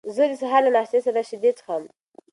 زه د سهار له ناشتې سره شیدې څښم.